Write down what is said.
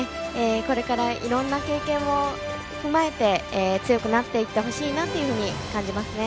これからいろんな経験を踏まえて強くなっていってほしいなと感じますね。